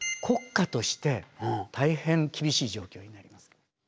国家として大変厳しい状況になります。